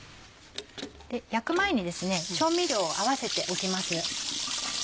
焼く前にですね調味料を合わせておきます。